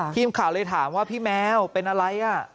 ทีมข่าวเลยถามว่าพี่แมวเป็นอะไร